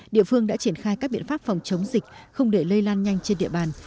địa phương đã triển khai các biện pháp phòng chống dịch không để lây lan nhanh trên địa bàn